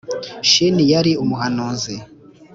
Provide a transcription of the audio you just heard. Shini yari umuhanuzi